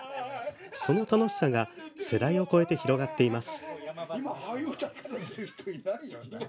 その楽しさが世代を超えて広がっています。